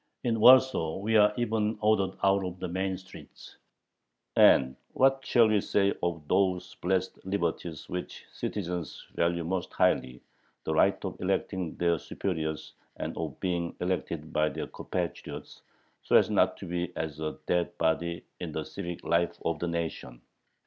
In Warsaw we are even ordered out of the main streets. And what shall we say of those blessed liberties which citizens value most highly the right of electing their superiors and of being elected by their compatriots, so as not to be as a dead body in the civic life of the nation?